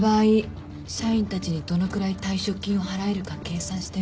社員たちにどのくらい退職金を払えるか計算してる。